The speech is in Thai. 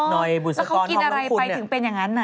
เหม็นต์ซ้ำมีค่ะ